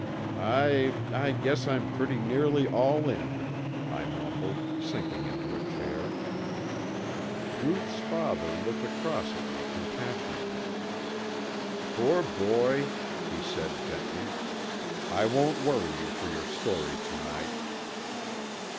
"I I guess I'm pretty nearly all in," I mumbled, sinking into a chair. Ruth's father looked across at me compassionately. "Poor boy," he said gently. "I won't worry you for your story to night."